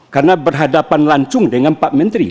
karena berhadapan lancung dengan pak menteri